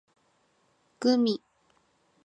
gumi